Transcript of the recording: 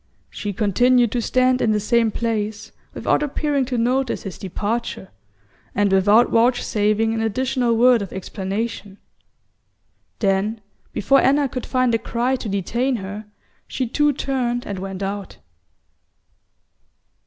She continued to stand in the same place, without appearing to notice his departure, and without vouchsafing an additional word of explanation; then, before Anna could find a cry to detain her, she too turned and went out.